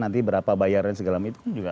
nanti berapa bayaran segala macam itu juga